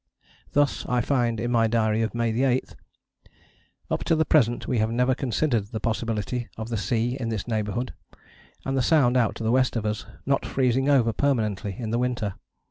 Thus I find in my diary of May 8: "Up to the present we have never considered the possibility of the sea in this neighbourhood, and the Sound out to the west of us, not freezing over permanently in the winter.